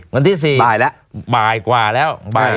วันที่๔บ่ายแล้ว